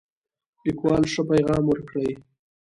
لیکوال ښه پیغام ورکړی.